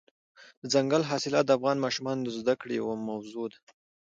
دځنګل حاصلات د افغان ماشومانو د زده کړې یوه موضوع ده.